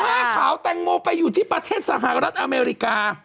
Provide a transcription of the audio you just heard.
ผ้าขาวแตงโมไปอยู่ที่ประเทศสหรัฐอเมริกา